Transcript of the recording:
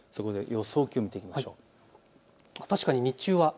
そこで予想気温を見ていきましょう。